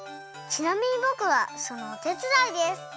ちなみにぼくはそのおてつだいです。